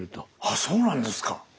あっそうなんですか。